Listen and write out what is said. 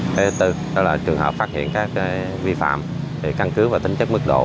thứ tư là trường hợp phát hiện các vi phạm về căn cước và tính chất mức độ